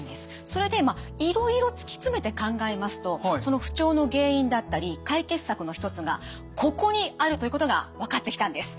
それでいろいろ突き詰めて考えますとその不調の原因だったり解決策の一つがここにあるということが分かってきたんです！